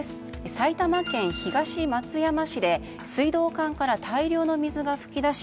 埼玉県東松山市で水道管から大量の水が噴き出し